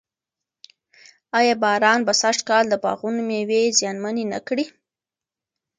ایا باران به سږ کال د باغونو مېوې زیانمنې نه کړي؟